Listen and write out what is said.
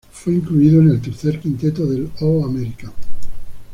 Fue incluido en el tercer quinteto del All-American.